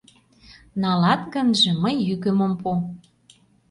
Налат гынже, мый йӱкым ом пу.